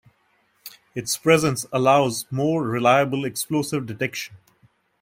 Its presence allows more reliable explosive detection.